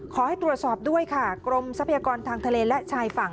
ขอให้ตรวจสอบด้วยค่ะกรมทรัพยากรทางทะเลและชายฝั่ง